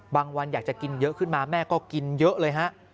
วันอยากจะกินเยอะขึ้นมาแม่ก็กินเยอะเลยฮะ